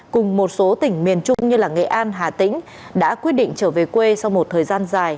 cùng một số tỉnh miền trung như nghệ an hà tĩnh đã quyết định trở về quê sau một thời gian dài